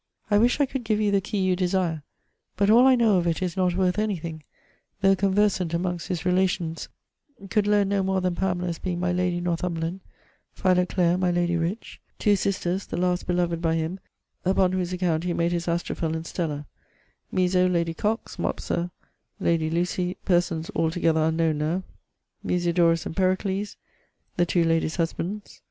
I wishe I could give you the key you desire, but all I know of it is not worth anything; though conversant amongst his relations, could learne noe more then Pamela's being my lady Northumberland, Philo[clea] my lady Rich, two sisters, the last beloved by him, upon whose account he made his Astrophell and Stella; Miso, lady Cox, Mopse, lady Lucy, persons altogether unknowne now; Musid[orus] and Pericles, the two ladies' husbands.